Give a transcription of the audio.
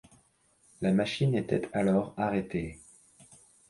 La machine était alors arrêtée.